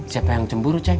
siapa yang cemburu ceng